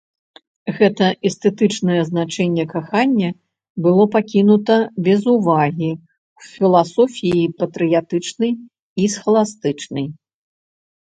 Гэта эстэтычнае значэнне кахання было пакінута без увагі ў філасофіі патрыятычнай і схаластычнай.